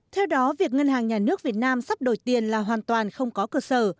theo đó việc ngân hàng nhà nước việt nam sắp đổi tiền là hoàn toàn không có cơ sở